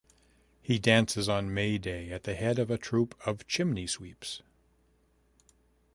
He dances on May Day at the head of a troop of chimney-sweeps.